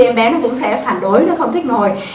em bé nó cũng sẽ phản đối nó không thích ngồi